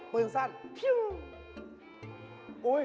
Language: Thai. ป๊อบ